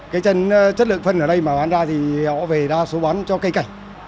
cái chân chất lượng phân ở đây mà bán ra thì họ về đa số bán cho cây cảnh